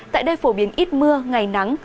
tại đây phổ biến ít mưa ngày nắng